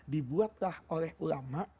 dibuatlah oleh ulama